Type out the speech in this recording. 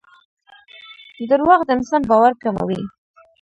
دراوغ دانسان باور کموي